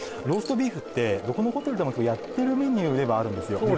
ローストビーフってどこのホテルでもやってるメニューではあるんですよ